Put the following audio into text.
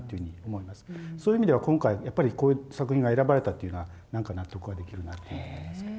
そういう意味では今回やっぱりこういう作品が選ばれたっていうのは何か納得ができるなっていうふうに思いますけど。